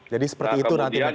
jadi seperti itu rantimaka